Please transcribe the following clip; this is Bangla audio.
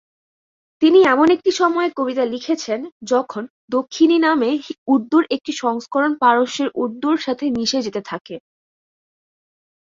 তিনি এমন একটি সময়ে কবিতা লিখেছেন যখন দক্ষিণী নামে উর্দুর একটি সংস্করণ পারস্যের উর্দুর সাথে মিশে যেতে থাকে।